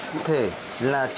cụ thể là chiến đấu